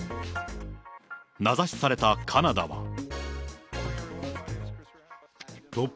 名指しされたカナダは。